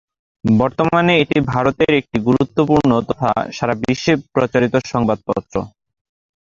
বর্তমানে এটি ভারতের একটি গুরুত্বপূর্ণ তথা সারা বিশ্বে প্রচারিত সংবাদপত্র।